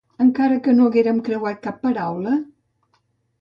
Encara que no haguérem creuat cap paraula...